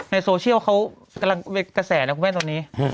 ในโซเชียลเขากำลังกระแสนะคุณแม่ตอนนี้